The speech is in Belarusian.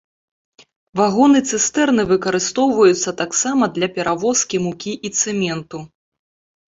Вагоны-цыстэрны выкарыстоўваюцца таксама для перавозкі мукі і цэменту.